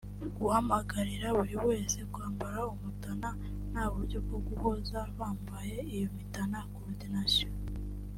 Guhamagarira buri wese kwambara umutana nta buryo bwo guhoza bambaye iyo mitana(co-ordination)